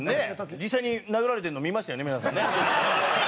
実際に、殴られてるの見ましたよね、皆さんね。